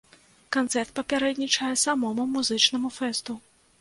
Канцэрт папярэднічае самому музычнаму фэсту.